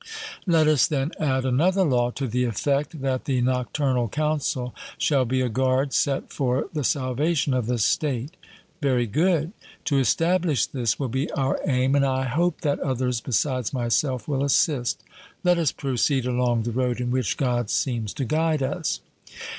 Let us then add another law to the effect that the Nocturnal Council shall be a guard set for the salvation of the state. 'Very good.' To establish this will be our aim, and I hope that others besides myself will assist. 'Let us proceed along the road in which God seems to guide us.'